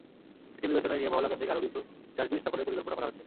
এটি বিবেচনায় নিয়ে মহল্লাকেন্দ্রিক আরও কিছু ডাস্টবিন স্থাপনের পরিকল্পনা করা হচ্ছে।